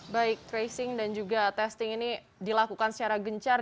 baik tracing dan juga testing ini dilakukan secara gencar